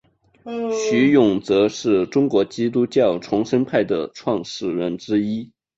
徐永泽是中国基督教重生派的创始人之一。